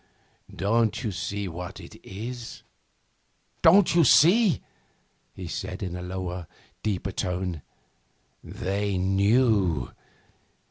'Don't you see what it is? Don't you see?' he said in a lower, deeper tone. '_They knew.